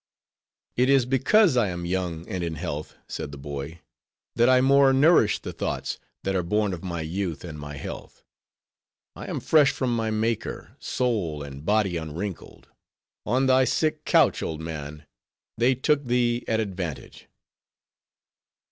"It is because I am young and in health," said the boy, "that I more nourish the thoughts, that are born of my youth and my health. I am fresh from my Maker, soul and body unwrinkled. On thy sick couch, old man, they took thee at advantage."